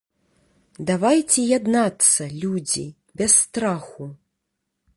Давайце яднацца, людзі, без страху!